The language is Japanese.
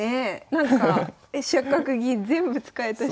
なんか飛車角銀全部使えたし。